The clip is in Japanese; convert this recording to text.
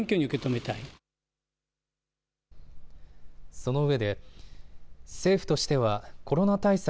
そのうえで政府としてはコロナ対策